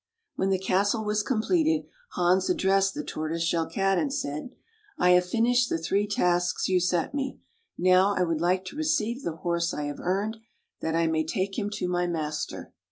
When the castle was completed, Hans ad dressed the Tortoise Shell Cat, and said, " I have finished the three tasks you set me. Now I would like to receive the horse I have earned, that I may take him to my master."